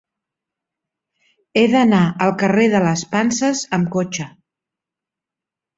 He d'anar al carrer de les Panses amb cotxe.